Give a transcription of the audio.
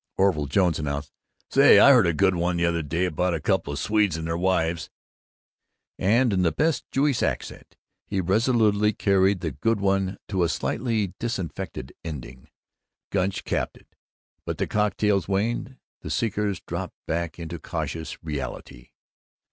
Orville Jones announced, "Say, I heard a Good One the other day about a coupla Swedes and their wives," and, in the best Jewish accent, he resolutely carried the Good One to a slightly disinfected ending. Gunch capped it. But the cocktails waned, the seekers dropped back into cautious reality.